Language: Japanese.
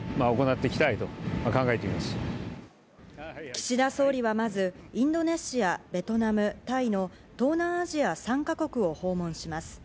岸田総理やまずインドネシア、ベトナム、タイの東南アジア３か国を訪問します。